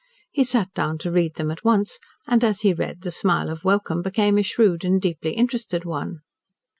He sat down to read them at once, and, as he read, the smile of welcome became a shrewd and deeply interested one.